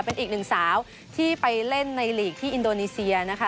เป็นอีกหนึ่งสาวที่ไปเล่นในหลีกที่อินโดนีเซียนะคะ